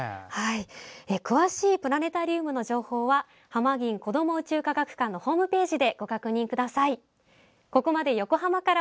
詳しいプラネタリウムの情報は「はまぎんこども宇宙科学館」のホームページでご確認ください。